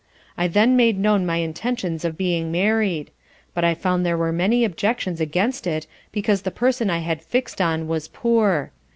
I then made known my intentions of being married; but I found there were many objections against it because the person I had fixed on was poor.